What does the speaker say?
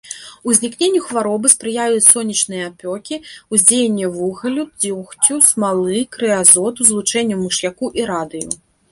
Узнікненню хваробы спрыяюць сонечныя апёкі, уздзеянне вугалю, дзёгцю, смалы, крэазоту, злучэнняў мыш'яку і радыю.